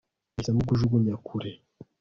nahisemo kujugunya kure